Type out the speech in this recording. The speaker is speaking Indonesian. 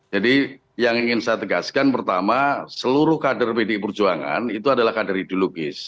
jadi yang ingin saya tegaskan pertama seluruh kader pdip itu adalah kader ideologis